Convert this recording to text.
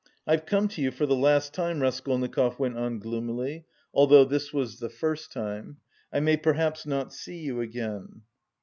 "I've come to you for the last time," Raskolnikov went on gloomily, although this was the first time. "I may perhaps not see you again..."